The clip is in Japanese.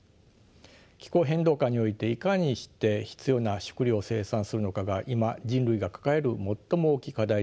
気候変動下においていかにして必要な食糧を生産するのかが今人類が抱える最も大きい課題であるといえます。